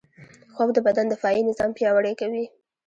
خوب د بدن دفاعي نظام پیاوړی کوي